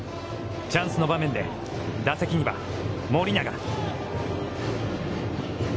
チャンスの場面で、打席には盛永。